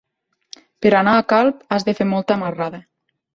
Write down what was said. Per anar a Calp has de fer molta marrada.